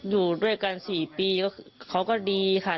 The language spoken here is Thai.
อยู่ด้วยกัน๔ปีเขาก็ดีค่ะ